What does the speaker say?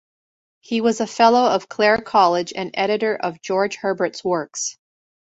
He was a Fellow of Clare College and editor of George Herbert's works.